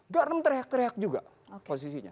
garam teriak teriak juga posisinya